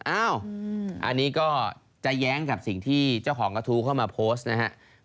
อันนี้ก็จะแย้งกับสิ่งที่เจ้าของกระทู้เข้ามาโพสต์นะครับ